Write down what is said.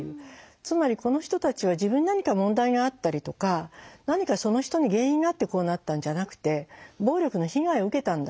つまりこの人たちは自分に何か問題があったりとか何かその人に原因があってこうなったんじゃなくて暴力の被害を受けたんだ。